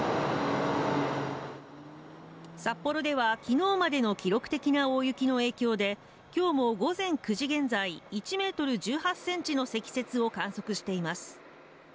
札幌では昨日までの記録的な大雪の影響で今日も午前９時現在、１ｍ１８ｃｍの積雪を観測しています。